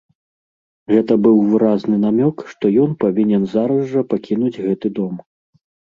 Гэта быў выразны намёк, што ён павінен зараз жа пакінуць гэты дом.